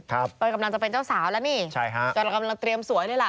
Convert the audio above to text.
ครับใช่ค่ะตอนเรากำลังจะเป็นเจ้าสาวแล้วนี่ตอนเรากำลังเตรียมสวยเลยล่ะ